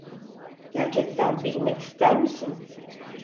Gerçekten bilmek ister misin?